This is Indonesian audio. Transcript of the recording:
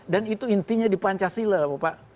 dan itu intinya di pancasila bapak